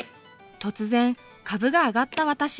突然株が上がった私。